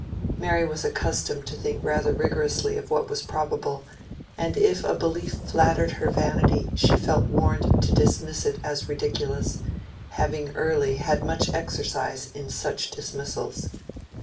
Mary was accustomed to think rather rigorously of what was probable, and if a belief flattered her vanity she felt warned to dismiss it as ridiculous, having early had much exercise in such dismissals.